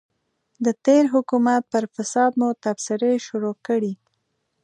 د تېر حکومت پر فساد مو تبصرې شروع کړې.